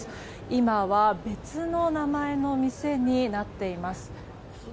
今は別の名前の店になっています。